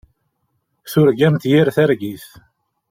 Turgamt yir targit.